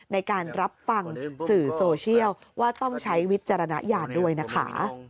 ในการรับฟังสื่อโซเชียลว่าต้องใช้วิจารณญาณด้วยนะคะ